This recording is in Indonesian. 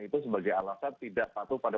itu sebagai alasan tidak patuh pada